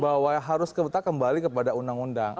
bahwa harus kembali kepada undang undang